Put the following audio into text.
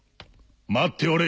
待っておれ！